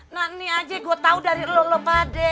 nah ini aja gue tau dari lo lo pade